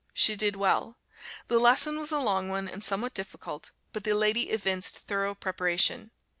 She did well. The lesson was a long one, and somewhat difficult, but the lady evinced thorough preparation.